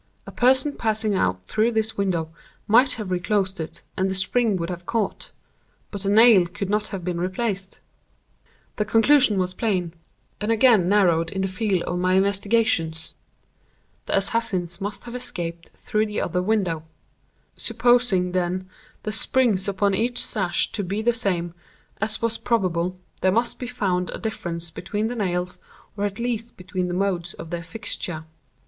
A person passing out through this window might have reclosed it, and the spring would have caught—but the nail could not have been replaced. The conclusion was plain, and again narrowed in the field of my investigations. The assassins must have escaped through the other window. Supposing, then, the springs upon each sash to be the same, as was probable, there must be found a difference between the nails, or at least between the modes of their fixture.